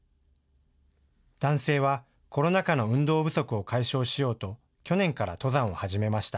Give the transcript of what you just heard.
男性はコロナ禍の運動不足を解消しようと去年から登山を始めました。